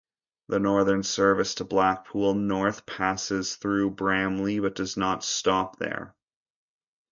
The Northern service to Blackpool North passes through Bramley but does not stop there.